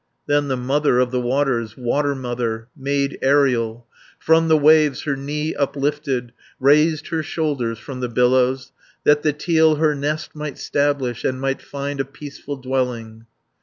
Then the Mother of the Waters, Water Mother, maid aerial, From the waves her knee uplifted, Raised her shoulder from the billows, That the teal her nest might 'stablish, And might find a peaceful dwelling.